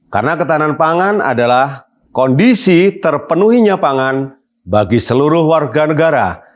karena ketahanan pangan adalah kondisi terpenuhinya pangan bagi seluruh warga negara